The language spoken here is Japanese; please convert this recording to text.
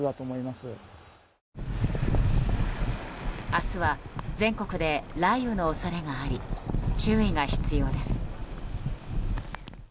明日は全国で雷雨の恐れがあり注意が必要です。